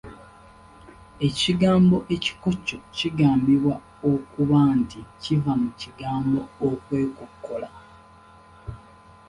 Ekigambo 'ekikoco' kigambibwa okuba nti kiva mu kigambo, okwekokkola.